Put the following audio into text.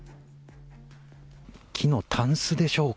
木のたんすでしょうか。